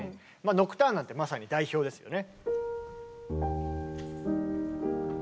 「ノクターン」なんてまさに代表ですよね。